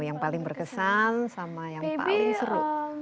yang paling berkesan sama yang paling seru